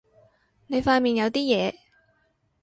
你塊面有啲嘢